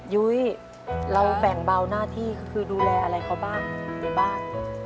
ยุ้ยเราแบ่งเบาหน้าที่คือดูแลอะไรเขาบ้างในบ้าน